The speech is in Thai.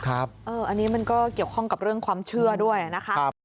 อันนี้มันก็เกี่ยวข้องกับเรื่องความเชื่อด้วยนะคะ